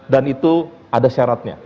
dan itu ada syaratnya